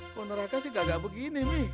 kalau neraka sih kagak begini mi